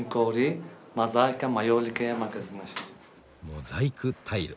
モザイクタイル。